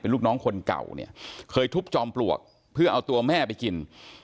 ลูกน้องคนเก่าเนี่ยเคยทุบจอมปลวกเพื่อเอาตัวแม่ไปกิน